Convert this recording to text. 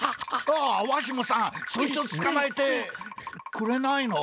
ああわしもさんそいつをつかまえてくれないの？